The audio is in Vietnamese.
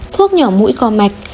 thuốc nhỏ mũi co mạch